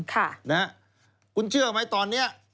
ค่ะนะครับคุณเชื่อไหมตอนนี้